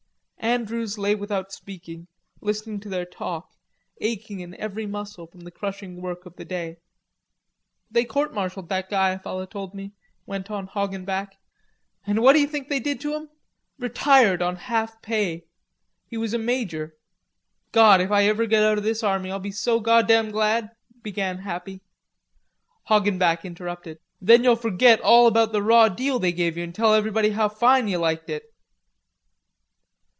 Andrews lay without speaking, listening to their talk, aching in every muscle from the crushing work of the day. "They court martialled that guy, a feller told me," went on Hoggenback. "An' what d'ye think they did to him? Retired on half pay. He was a major." "Gawd, if I iver git out o' this army, I'll be so goddam glad," began Happy. Hoggenback interrupted: "That you'll forgit all about the raw deal they gave you, an' tell everybody how fine ye liked it."